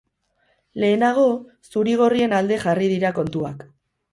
Lehenago, zuri-gorrien alde jarri dira kontuak.